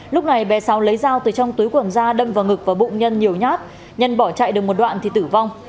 lúc này bé sáu lấy dao từ trong túi quần da đâm vào ngực và bụng nhân nhiều nhát nhân bỏ chạy được một đoạn thì tử vong